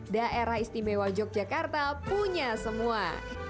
daerah istimewa yogyakarta punya semua